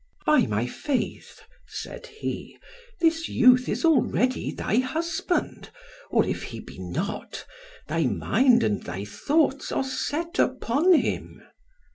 "By my faith," said he, "this youth is already thy husband; or if he be not, thy mind and thy thoughts are set upon him."